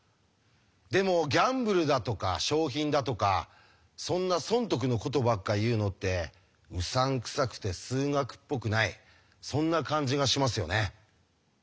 でもギャンブルだとか賞品だとかそんな損得のことばっか言うのってうさんくさくて数学っぽくないそんな感じがしますよね。